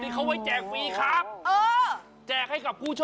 ใครก็ไม่รู้